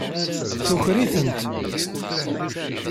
Tuker-itent.